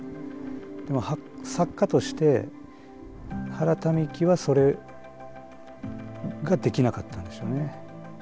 でも作家として原民喜はそれができなかったんでしょうね。